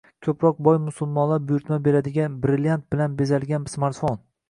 ko‘proq boy musulmonlar buyurtma beradigan brilliant bilan bezalgan smartfon: